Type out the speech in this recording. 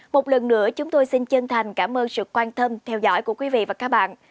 một lần nữa chúng tôi xin chân thành cảm ơn sự quan tâm theo dõi của quý vị và các bạn